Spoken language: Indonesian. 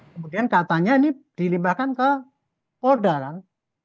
kemudian katanya ini dilimbahkan ke poldaran